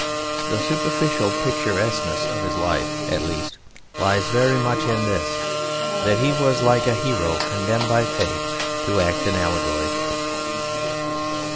The superficial picturesqueness of his life, at least, lies very much in this that he was like a hero condemned by fate to act an allegory.